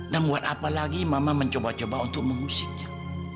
dan buat apa lagi mama mencoba coba untuk mengusiknya